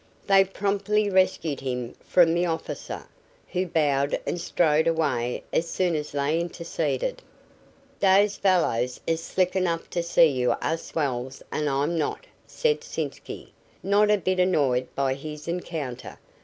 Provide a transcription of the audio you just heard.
They promptly rescued him from the officer, who bowed and strode away as soon as they interceded. "Dese fellers is slick enough to see you are swells and I'm not," said Sitzky, not a bit annoyed by his encounter.